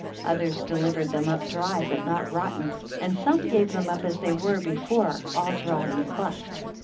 Others delivered them up dry, but not rotten; and some gave them up as they were before, all dry, and cleft.